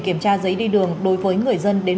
kiểm tra giấy đi đường đối với người dân đến